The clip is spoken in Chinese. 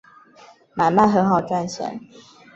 买卖很好赚钱